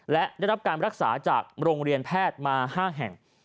และได้รับการรักษาจากโรงเรียนแพทย์มา๕แห่ง